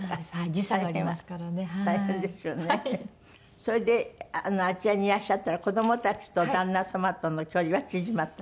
それであちらにいらっしゃったら子どもたちと旦那様との距離は縮まった？